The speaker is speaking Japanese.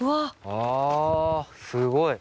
あすごい。